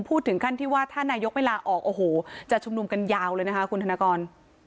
ถึงขั้นที่ว่าถ้านายกไม่ลาออกโอ้โหจะชุมนุมกันยาวเลยนะคะคุณธนกร